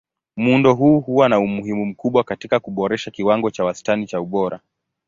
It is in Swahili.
Muundo huu huwa na umuhimu mkubwa katika kuboresha kiwango cha wastani cha ubora.